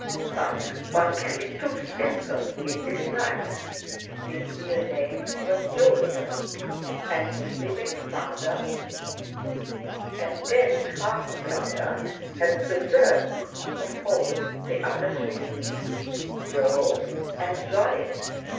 But one can be too simple in this life, for his real name was Jolyon, and his living father and dead half brother had usurped of old the other shortenings, Jo and Jolly.